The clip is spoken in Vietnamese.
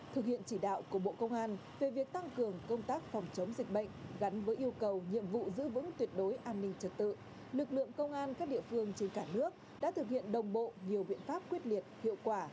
thực hiện chỉ đạo của bộ công an về việc tăng cường công tác phòng chống dịch bệnh gắn với yêu cầu nhiệm vụ giữ vững tuyệt đối an ninh trật tự lực lượng công an các địa phương trên cả nước đã thực hiện đồng bộ nhiều biện pháp quyết liệt hiệu quả